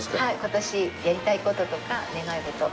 今年やりたい事とかお願い事。